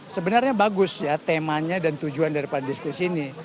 sebenarnya bagus ya temanya dan tujuan daripada diskusi ini